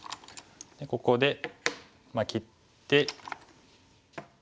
ここで切って。